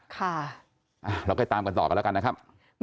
เราก็ตามกันต่อกันแล้วกันนะครับ